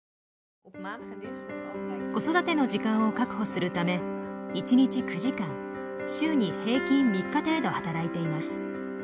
子育ての時間を確保するため一日９時間週に平均３日程度働いています。